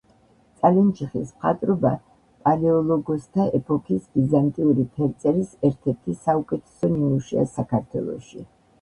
წალენჯიხის მხატვრობა პალეოლოგოსთა ეპოქის ბიზანტიური ფერწერის ერთ-ერთი საუკეთესო ნიმუშია საქართველოში.